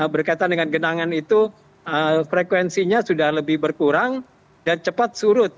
berkaitan dengan genangan itu frekuensinya sudah lebih berkurang dan cepat surut